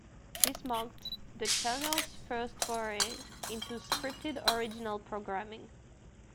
This marked the channel's first foray into scripted original programming.